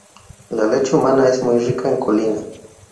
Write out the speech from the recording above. La leche humana es muy rica en colina.